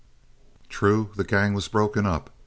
True, the gang was broken up.